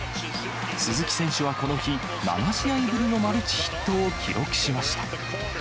鈴木選手はこの日、７試合ぶりのマルチヒットを記録しました。